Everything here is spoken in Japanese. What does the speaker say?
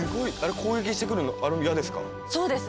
攻撃してくるのあれも矢ですか？